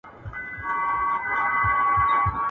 ډاکټر زیار ډېر شاګردان روزلي دي.